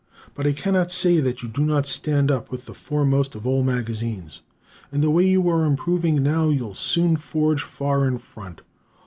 But I cannot say that you do not stand up with the foremost of all magazines, and the way you are improving now you'll soon forge far in front.